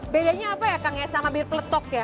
bedanya apa ya kang ya sama biru peletok ya